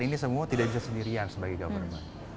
ini semua tidak bisa sendirian sebagai government